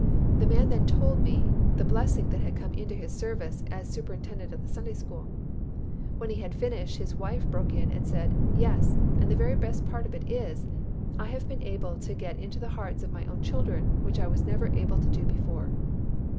The man then told me the blessing that had come into his service as superintendent of the Sunday school. When he had finished, his wife broke in and said, "Yes, and the best part of it is, I have been able to get into the hearts of my own children, which I was never able to do before."